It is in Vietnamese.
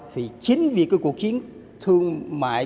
vì chính vì cái cuộc chiến thương mại